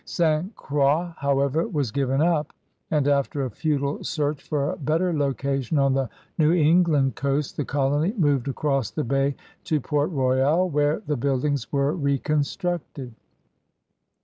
St. Croix, however, was given up and, after a futile search for a better location on the New England coast, the colony moved across the bay to Port Royal, where the buildings were reconstructed.